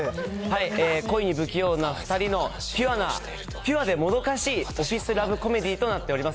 恋に不器用な２人のピュアでもどかしいオフィスラブコメディーとなっております。